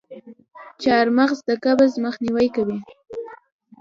چارمغز د قبض مخنیوی کوي.